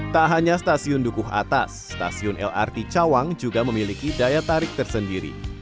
tak hanya stasiun dukuh atas stasiun lrt cawang juga memiliki daya tarik tersendiri